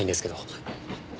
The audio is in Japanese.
はい。